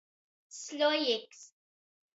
Slojiks.